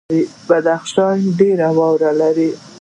بدخشان ډیره واوره لري